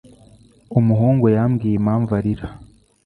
Umuhungu yambwiye impamvu arira.